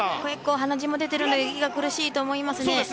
鼻血も出ているので息が苦しいと思います。